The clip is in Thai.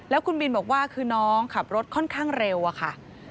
แล้วคุณบินบอกว่าคือน้องขับรถค่อนข้างเร็วอะค่ะ